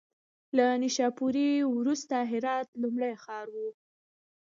له نیشاپور وروسته هرات لومړی ښار و.